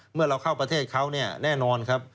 เมื่อเราเข้าประเทศเขาเนี่ยแน่นอนครับ